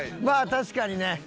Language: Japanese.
まあ確かにね。